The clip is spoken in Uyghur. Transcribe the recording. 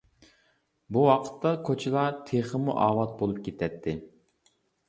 بۇ ۋاقىتتا كوچىلار تېخىمۇ ئاۋات بولۇپ كېتەتتى.